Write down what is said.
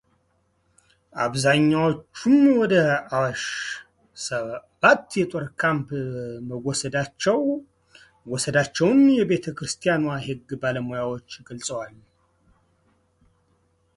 አብዛኛዎቹም ወደ አዋሽ ሰባት የጦር ካምፕ መወሰዳቸውን የቤተ ክርስቲያኗ የሕግ ባለሙያዎች ገልጸዋል።